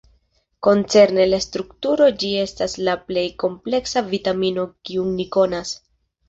Koncerne la strukturo ĝi estas la plej kompleksa vitamino kiun ni konas.